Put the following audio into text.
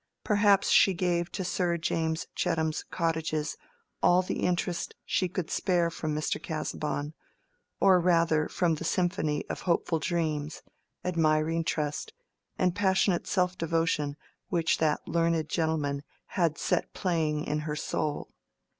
Perhaps she gave to Sir James Chettam's cottages all the interest she could spare from Mr. Casaubon, or rather from the symphony of hopeful dreams, admiring trust, and passionate self devotion which that learned gentleman had set playing in her soul.